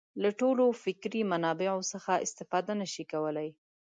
له ټولو فکري منابعو څخه استفاده نه شي کولای.